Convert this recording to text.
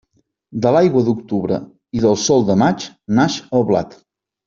De l'aigua d'octubre i del sol de maig naix el blat.